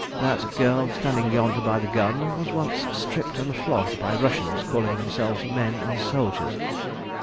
That girl standing yonder by the gun was once stripped and flogged by Russians calling themselves men and soldiers.